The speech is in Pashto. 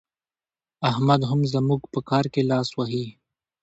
احمد هم زموږ په کار کې لاس وهي.